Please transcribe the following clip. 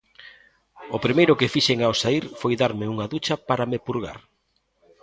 O primeiro que fixen ao saír foi darme unha ducha para me purgar.